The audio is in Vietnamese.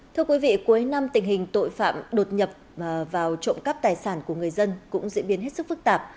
thưa quý vị cuối năm tình hình tội phạm đột nhập vào trộm cắp tài sản của người dân cũng diễn biến hết sức phức tạp